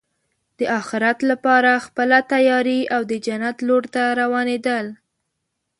د اخرت لپاره خپله تیاری او د جنت لور ته روانېدل.